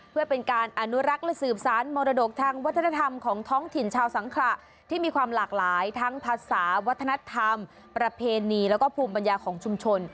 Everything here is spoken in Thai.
เพื่อเป็นการอนุรักษ์และสืบสารมรดกทางวัฒนธรรมของท้องถิ่นชาวสังขระที่มีความหลากหลายทั้งภาษาวัฒนธรรมประเพณีแล้วก็ภูมิปัญญาของชุมชน